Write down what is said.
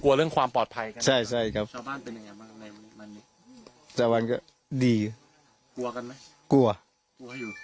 กลัวเรื่องความปลอดภัยกัน